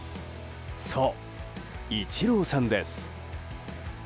そう、イチローさんです。